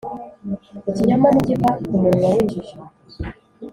ikinyoma ntikiva ku munwa w’injiji.